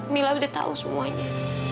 mila udah tahu semuanya